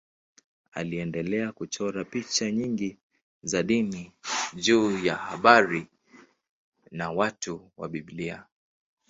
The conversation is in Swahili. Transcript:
Aliendelea kuchora picha nyingi za dini juu ya habari na watu wa Biblia.